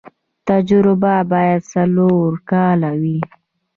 تجربه باید څلور کاله وي.